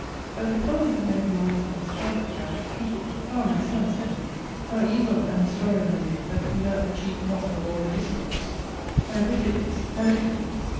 " But, before they could make him answer, his father began to speak. * Ah, my son,' said he, * how evil an historian are you, that leave out the chief knot of all the discourse — ^my wickedness, my wickedness